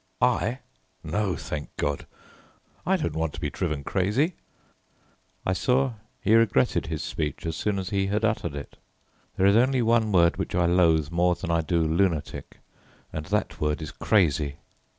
"I? No, thank God! I don't want to be driven crazy." I saw he regretted his speech as soon as he had uttered it. There is only one word which I loathe more than I do lunatic and that word is crazy.